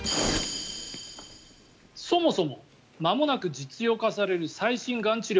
そもそも、まもなく実用化される最新がん治療